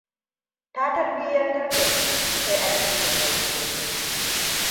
Ta tarbiyyantar da shi ta addinin yahudanci.